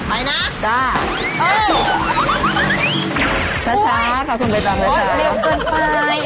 ไปนะโอ้ยช้าขอบคุณไปต่อ